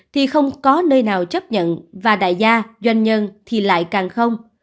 thì không có nơi nào chấp nhận và đại gia doanh nhân thì lại càng không